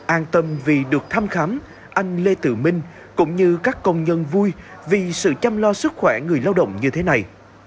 an tâm vì được thăm khám anh lê tự minh cũng như các công nhân vui vì sự chăm lo sức khỏe người lao động như thế này